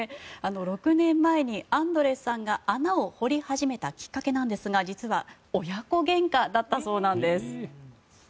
６年前にアンドレスさんが穴を掘り始めたきっかけなんですが、実は親子げんかだったそうなんです。